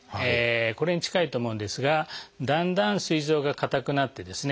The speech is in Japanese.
これに近いと思うんですがだんだんすい臓が硬くなってですね